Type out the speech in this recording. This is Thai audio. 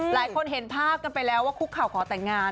หลายคนเห็นภาพกันไปแล้วว่าคุกเข่าขอแต่งงาน